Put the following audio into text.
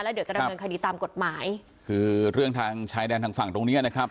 เดี๋ยวจะดำเนินคดีตามกฎหมายคือเรื่องทางชายแดนทางฝั่งตรงเนี้ยนะครับ